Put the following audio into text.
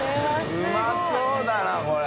うまそうだなこれ。